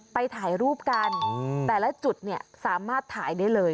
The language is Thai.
ไปถ่ายรูปกันแต่ละจุดเนี่ยสามารถถ่ายได้เลย